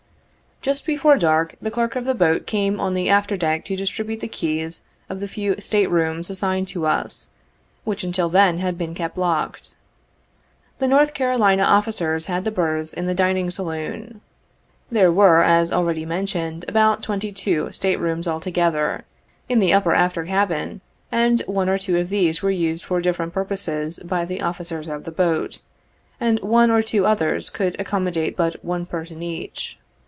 Just before dark, the clerk of the boat came on the after deck to distribute the keys of the few state rooms assigned to us, which until then had been kept locked. The North Carolina officers had the berths in the dining saloon. There were, as already mentioned, about twenty two state rooms altogether, in the upper after cabin, and one or two of these were used for different purposes by the officers of the boat, and one or two others could accom modate but one person each.